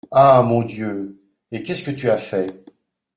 Ah ! mon Dieu ! et qu’est-ce que tu as fait ?